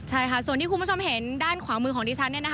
ใช่ค่ะส่วนที่คุณผู้ชมเห็นด้านขวามือของดิฉัน